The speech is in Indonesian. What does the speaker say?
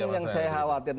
ini yang saya khawatir